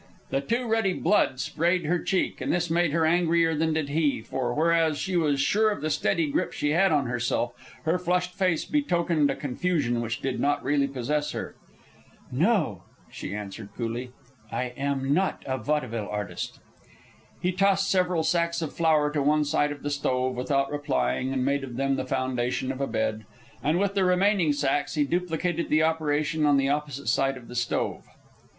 The too ready blood sprayed her cheek, and this made her angrier than did he; for whereas she was sure of the steady grip she had on herself, her flushed face betokened a confusion which did not really possess her. "No," she answered, coolly; "I am not a vaudeville artist." He tossed several sacks of flour to one side of the stove, without replying, and made of them the foundation of a bed; and with the remaining sacks he duplicated the operation on the opposite side of the stove.